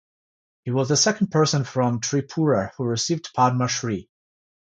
He was the second person from Tripura who received Padma Shri.